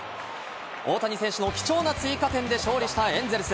大谷選手の貴重な追加点で勝利したエンゼルス。